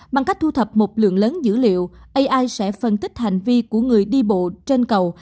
bằng cách thu thập một lượng lớn dữ liệu ai sẽ phân tích hành vi của người đi bộ trên cầu